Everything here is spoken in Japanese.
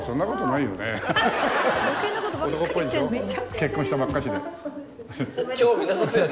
結婚したばっかしで。